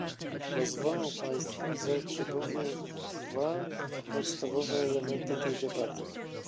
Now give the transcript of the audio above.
Pozwolą państwo, że przypomnę dwa podstawowe elementy tej debaty